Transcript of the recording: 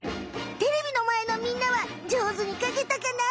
テレビのまえのみんなは上手に描けたかな？